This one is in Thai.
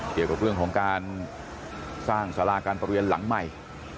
เกี่ยวกับเรื่องของการสร้างสาราการประเรียนหลังใหม่